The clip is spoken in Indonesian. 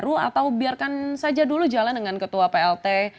ketua umum baru atau biarkan saja dulu jalan dengan ketua plt